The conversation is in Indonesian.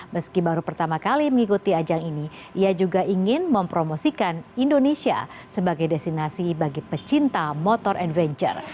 meski baru pertama kali mengikuti ajang ini ia juga ingin mempromosikan indonesia sebagai destinasi bagi pecinta motor adventure